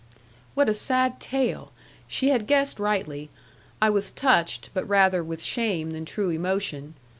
What a sad tale! She had guessed rightly. I was touched, but rather with shame than true emotion.